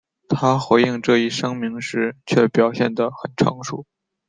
他回应这一声明时却表现得很成熟。